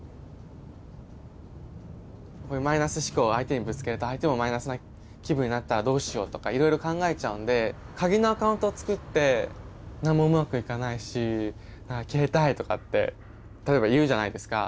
こういうマイナス思考を相手にぶつけると相手もマイナスな気分になったらどうしようとかいろいろ考えちゃうんで鍵のアカウントを作って「何もうまくいかないし消えたい」とかって例えば言うじゃないですか。